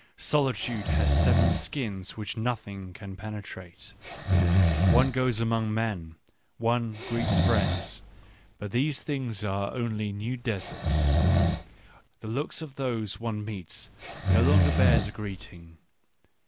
Solitude has seven skins which nothing can penetrate. One goes among men ; one greets friends : but these things are only new deserts, the looks of those one meets no longer bear a greeting.